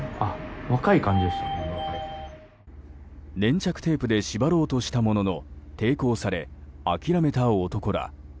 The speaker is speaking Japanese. ガムテープで縛ろうとしたものの抵抗され諦めた男ら。